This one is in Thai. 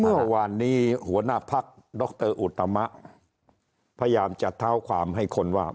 เมื่อวานนี้หัวหน้าพักดรอุตมะพยายามจะเท้าความให้คนว่า